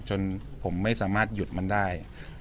จนผมไม่สามารถหยุดมันได้